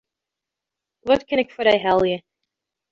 Wat kin ik foar dy helje?